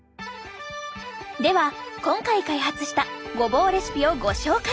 では今回開発したごぼうレシピをご紹介。